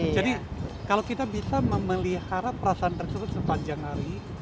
jadi kalau kita bisa memelihara perasaan tersebut sepanjang hari